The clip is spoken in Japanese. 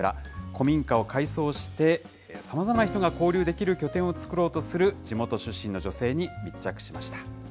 古民家を改装して、さまざまな人が交流できる拠点を作ろうとする、地元出身の女性に密着しました。